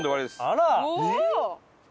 あら！